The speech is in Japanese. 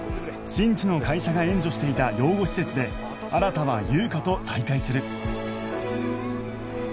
信二の会社が援助していた養護施設で新は優香と再会する